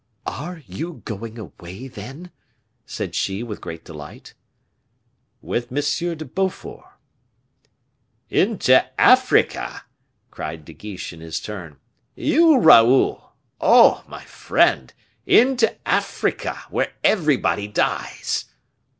"Are you going away, then?" said she, with great delight. "With M. de Beaufort." "Into Africa!" cried De Guiche, in his turn. "You, Raoul oh! my friend into Africa, where everybody dies!"